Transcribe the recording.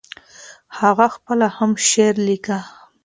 هغه خپله هم شعر ليکه.